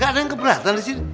gak ada yang keberatan disini